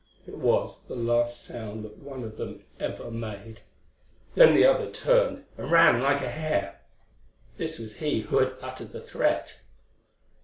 It was the last sound that one of them ever made. Then the other turned and ran like a hare. This was he who had uttered the threat.